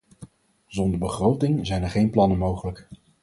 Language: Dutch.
Zonder begroting zijn er geen plannen mogelijk.